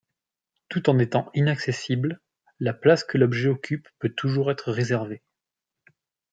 Tout en étant inaccessible, la place que l'objet occupe peut toujours être réservée.